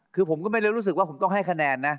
คือผมก็ไม่รู้สึกว่าท่าน่ะผมก็ให้คะแนน